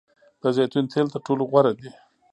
د زیتون تیل تر ټولو غوره دي.